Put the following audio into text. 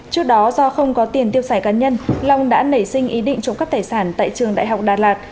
trước đó do không có tiền tiêu xài cá nhân long đã nảy sinh ý định trộm cắp tài sản tại trường đại học đà lạt